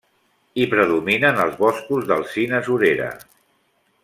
Hi predominen els boscos d'alzina surera.